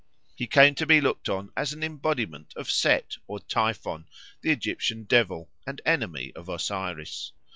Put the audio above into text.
He came to be looked on as an embodiment of Set or Typhon, the Egyptian devil and enemy of Osiris.